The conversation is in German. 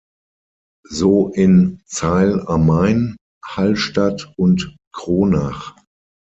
So in Zeil am Main, Hallstadt und Kronach.